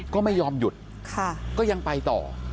ก็ไม่ยอมหยุดก็ยังไปต่อ